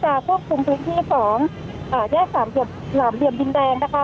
พยายามที่จะควบคุมพื้นที่ของอ่าแยกสามเหล่าเหลี่ยมบินแดงนะคะ